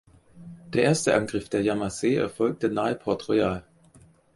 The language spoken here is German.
Der erste Angriff der Yamasee erfolgte nahe Port Royal.